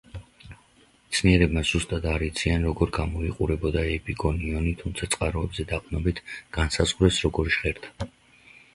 მეცნიერებმა ზუსტად არ იციან, როგორ გამოიყურებოდა ეპიგონიონი, თუმცა წყაროებზე დაყრდნობით განსაზღვრეს როგორ ჟღერდა.